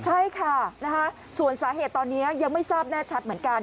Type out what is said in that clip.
ใช่ค่ะส่วนสาเหตุตอนนี้ยังไม่ทราบแน่ชัดเหมือนกัน